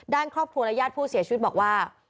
ด้านครอบครัวและญาติผู้เสียชีวิตบอกว่า